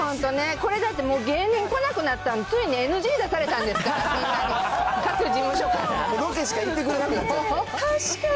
これだってもう、芸人来なくなったん、ついにＮＧ出されたんですか、みんなに。